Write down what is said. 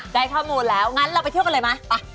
ได้ข้อมูลแล้วงั้นเราไปเที่ยวกันเลยไหม